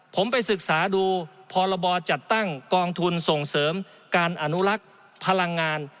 ผมไปศึกษาดูพรบจัดตั้งกองทุนส่งเสริมการอนุรักษ์พลังงาน